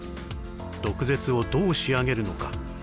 毒舌をどう仕上げるのか？